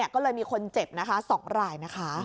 ก็เลยมีคนเจ็บนะคะ๒รายนะคะ